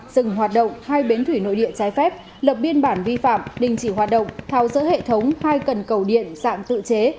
từng hoạt động hai bến thủy nội địa trái phép lập biên bản vi phạm đình chỉ hoạt động thao giữa hệ thống hai cần cầu điện sạng tự chế